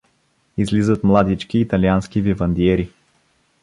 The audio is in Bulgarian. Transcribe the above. Излизат младички италиански вивандиери.